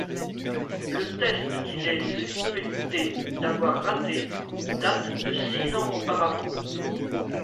Le test qu'il est suspecté d'avoir raté date de six ans auparavant.